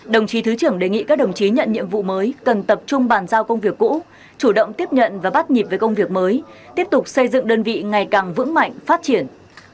đồng chí thứ trưởng đề nghị các đồng chí nhận nhiệm vụ mới cần tập trung bàn giao công việc cũ chủ động tiếp nhận và bắt nhịp với công việc mới tiếp tục xây dựng đơn vị ngày càng vững mạnh phát triển